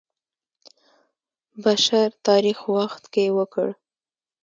بشر تاریخ وخت کې وکړ.